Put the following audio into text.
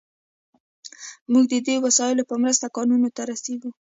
موږ د دې وسایلو په مرسته کانونو ته رسیږو.